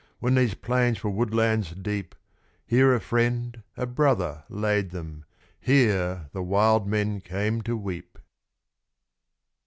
when these plains were woodlands deep; Here a friend, a brother, laid them; here the wild men came to weep."